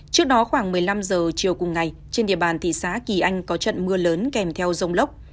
trước đó khoảng một mươi năm giờ chiều cùng ngày trên địa bàn thị xá kỳ anh có trận mưa lớn kèm theo dông lốc